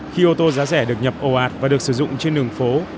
khi ô tô giá rẻ được nhập ồ ạt và được sử dụng trên đường phố